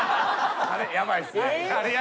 ヤバいっすね。